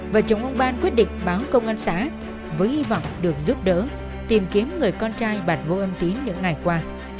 và chồng ông ban quyết định báo công an xã với hy vọng được giúp đỡ tìm kiếm người con trai bản vô âm tín những ngày qua